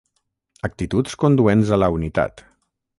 Actituds conduents a la unitat.